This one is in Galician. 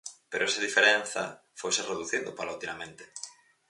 Pero esa diferenza foise reducindo paulatinamente.